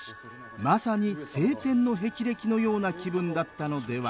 まさに青天の霹靂のような気分だったのでは？